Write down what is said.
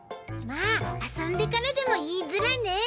まぁ遊んでからでもいいズラね。